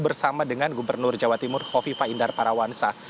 bersama dengan gubernur jawa timur kofifa indar parawansa